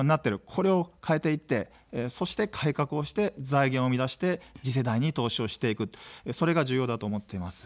これを変えていって、そして改革をして、財源を生み出して次世代に投資をしていく、それが重要だと思っています。